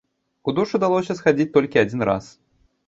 У душ удалося схадзіць толькі адзін раз.